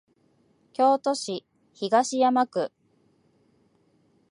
京都市東山区